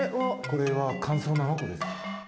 これは乾燥ナマコです。